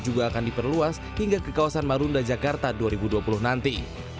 juga akan diperluas hingga ke kawasan marunda jakarta dua ribu dua puluh nanti